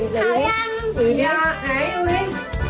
ขายัง